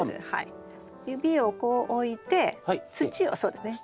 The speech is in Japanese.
指をこう置いて土をそうですね